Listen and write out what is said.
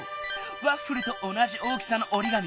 ワッフルとおなじ大きさのおりがみ。